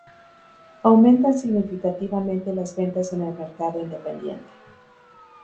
Aumentan significativamente las ventas en el mercado independiente.